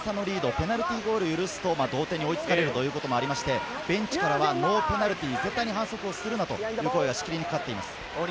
ペナルティーゴールを許すと同点に追いつかれるというところもありまして、ベンチからはペナルティー、絶対に反則をするなという声がしきりにかかっています。